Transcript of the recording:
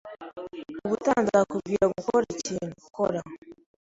Ubutaha nzakubwira gukora ikintu, kora.